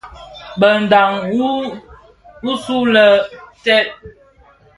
Bë ndhaň usu lè stè ?